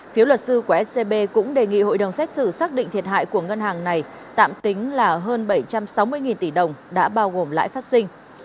phiếu luật sư của scb cũng đề nghị hội đồng xét xử xác định thiệt hại của ngân hàng này tạm tính là hơn bảy trăm sáu mươi tỷ đồng đã bao gồm lãi phát sinh